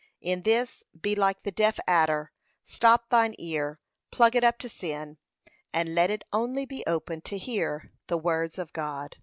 In this, be like the deaf adder, stop thine ear, plug it up to sin, and let it only be open to hear the words of God.